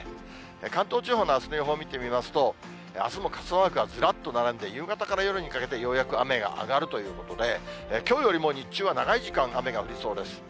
関東地方のあすの予報を見てみますと、あすも傘マークがずらっと並んで、夕方から夜にかけてようやく雨が上がるということで、きょうよりも日中は長い時間、雨が降りそうです。